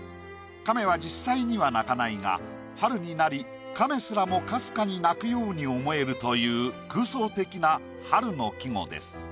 亀は実際には鳴かないが春になり亀すらも微かに鳴くように思えるという空想的な春の季語です。